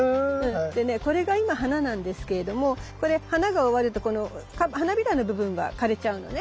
でねこれが今花なんですけれどもこれ花が終わるとこの花びらの部分は枯れちゃうのね。